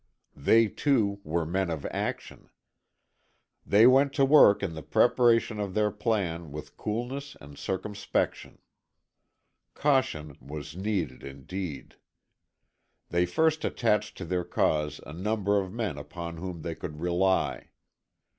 They, too, were men of action. They went to work in the preparation of their plan with coolness and circumspection. Caution was needed indeed. They first attached to their cause a number of men upon whom they could rely.